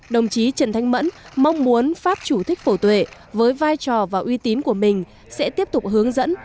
đồng chí trần thanh mẫn mong muốn pháp chủ thích phổ tuệ với vai trò và uy tín của mình sẽ tiếp tục hướng dẫn